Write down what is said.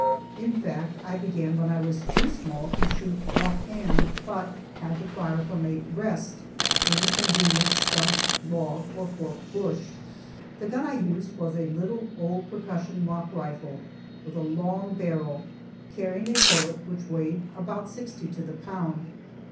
In fact, I began when I was too small to shoot "off hand," but had to fire from a "rest," any convenient stump, log, or forked bush. The gun I used was a little old percussion lock rifle, with a long barrel, carrying a bullet which weighed about sixty to the pound.